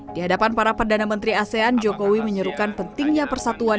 di hadapan para perdana menteri asean jokowi menyuruhkan pentingnya persatuan